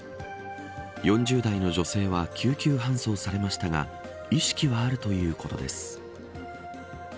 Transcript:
４０代の女性は救急搬送されましたが意識はあるということです。